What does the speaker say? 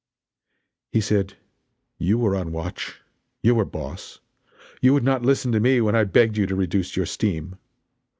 He said: "You were on watch. You were boss. You would not listen to me when I begged you to reduce your steam.